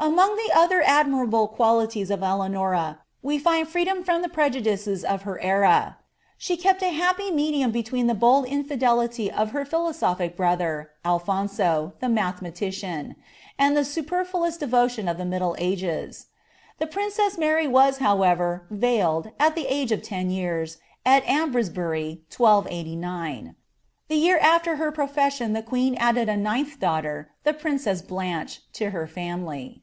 Among the other odiniraljle qunlities of Eleanora, we find fre» , dotu from die prejudices af her eta. She kept a happ}' meilium beiweea im bulil infiilelity of her philosophic brother Alphonso, the mathein^ Ucitn,' anil the superfluous deroiion of the middle agea. The princeac \\uy Maa. however, veiled, at the age of ten years, al Ambresbury, I28S. Thi' year after her profession the queen added a ninth daughter, the »puiceu Blanche, to her family.